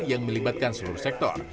yang melibatkan seluruh sektor